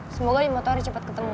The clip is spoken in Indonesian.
semoga di motornya cepet ketemu